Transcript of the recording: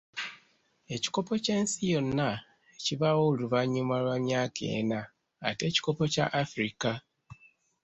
Ekikopo ky'ensi yonna kibaawo buli luvannyuma lwa myaka ena ate ekikopo kya Afirika?